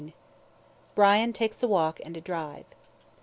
BRIAN TAKES A WALK AND A DRIVE.